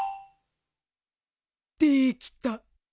できた。